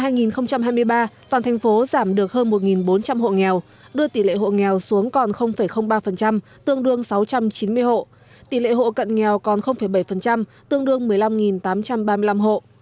năm hai nghìn hai mươi ba toàn thành phố giảm được hơn một bốn trăm linh hộ nghèo đưa tỷ lệ hộ nghèo xuống còn ba tương đương sáu trăm chín mươi hộ tỷ lệ hộ cận nghèo còn bảy tương đương một mươi năm tám trăm ba mươi năm hộ